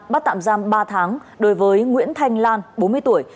bắt tạm giam ba tháng đối với nguyễn thanh lan bốn mươi tuổi